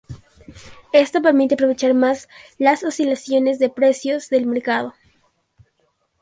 Esto permite aprovechar más las oscilaciones de precios del mercado.